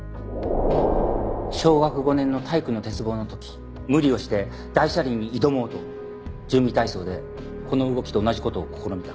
小学５年の体育の鉄棒の時無理をして大車輪に挑もうと準備体操でこの動きと同じ事を試みた。